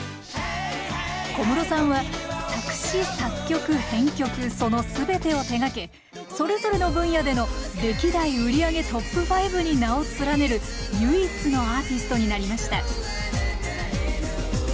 小室さんは作詞作曲編曲その全てを手がけそれぞれの分野での歴代売り上げトップ５に名を連ねる唯一のアーティストになりました